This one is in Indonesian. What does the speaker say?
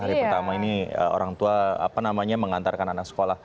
hari pertama ini orang tua apa namanya mengantarkan anak sekolah